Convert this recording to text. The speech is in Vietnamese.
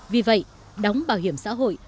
vì vậy đóng bảo hiểm xã hội